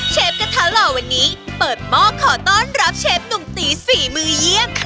กระทะหล่อวันนี้เปิดหม้อขอต้อนรับเชฟหนุ่มตีฝีมือเยี่ยมค่ะ